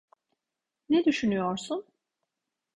Ne düsünüyorsun?